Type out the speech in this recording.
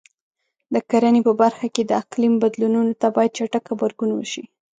د کرنې په برخه کې د اقلیم بدلونونو ته باید چټک غبرګون وشي.